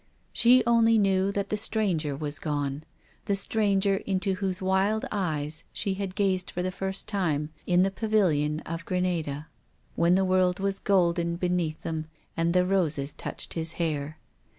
She only knew that the stranger was gone, the stranger into whose wild eyes she had gazed for the first time in the Pavilion of Granada, when the world was golden beneath them and the roses touched his hair.